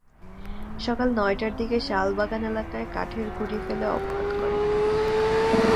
সকাল নয়টার দিকে শালবাগান এলাকায় কাঠের গুঁড়ি ফেলে অবরোধ করেন তাঁরা।